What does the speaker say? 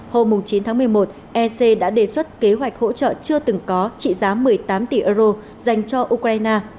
hôm chín tháng một mươi một ec đã đề xuất kế hoạch hỗ trợ chưa từng có trị giá một mươi tám tỷ euro dành cho ukraine